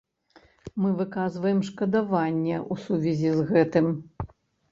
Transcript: Мы выказваем шкадаванне ў сувязі з гэтым.